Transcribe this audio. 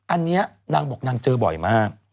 อันนี้นางบอกนางเจอบ่อยมาก